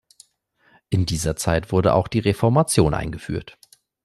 In dieser Zeit wurde auch die Reformation eingeführt.